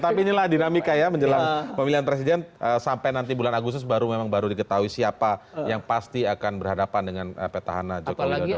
tapi inilah dinamika ya menjelang pemilihan presiden sampai nanti bulan agustus baru memang baru diketahui siapa yang pasti akan berhadapan dengan petahana jokowi dodo